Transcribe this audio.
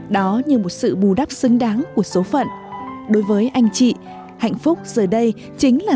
đó là một trong những điều mà chúng tôi đã tìm thấy